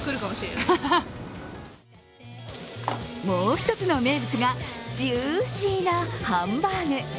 もう一つの名物がジューシーなハンバーグ。